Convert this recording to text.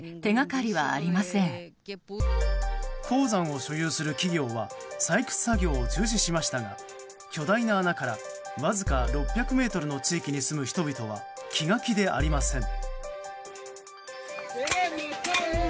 鉱山を所有する企業は採掘作業を中止しましたが巨大な穴から、わずか６００ｍの地域に住む人々は気が気でありません。